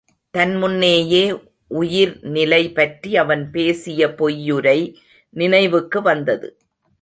தன் முன்னேயே உயிர் நிலை பற்றி அவன் பேசிய பொய்யுரை நினைவுக்கு வந்தது.